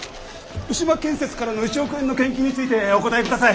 牛間建設からの１億円の献金についてお答えください！